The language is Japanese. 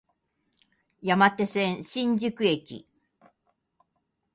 山手線、新宿駅